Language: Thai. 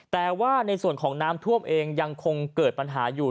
แต่ว่าในส่วนของน้ำท่วมเองยังคงเกิดปัญหาอยู่